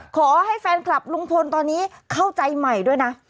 ขอให้แฟนคลับลุงพลตอนนี้เข้าใจใหม่ด้วยนะ